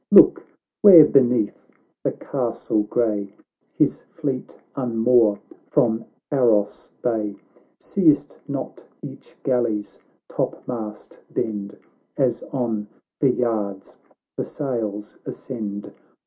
Look, where beneath the castle grey His fleet unmoor from Aros bay ! Seest not each galley's topmast bend, As on the j ards the sails ascend